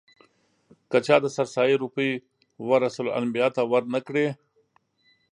که چا د سرسایې روپۍ ورثه الانبیاوو ته ور نه کړې.